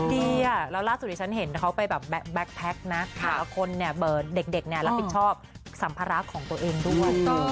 ดีอ่ะแล้วล่าสุดที่ฉันเห็นเขาไปแบบแบ็คแพ็คนะแต่ละคนเนี่ยเด็กเนี่ยรับผิดชอบสัมภาระของตัวเองด้วย